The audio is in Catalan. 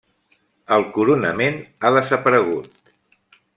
El coronament ha desaparegut.